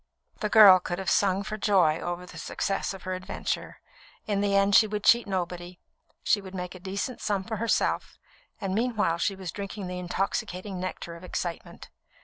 The girl could have sung for joy over the success of her adventure. In the end she would cheat nobody; she would make a decent sum for herself, and meanwhile she was drinking the intoxicating nectar of excitement.